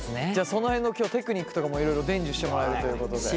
その辺の今日テクニックとかもいろいろ伝授してもらえるということで。